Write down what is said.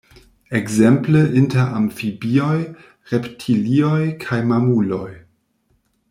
Ekzemple, inter amfibioj, reptilioj kaj mamuloj.